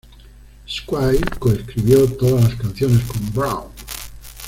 Squire co-escribió todas las canciones con Brown.